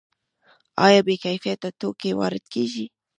آیا بې کیفیته توکي وارد کیږي؟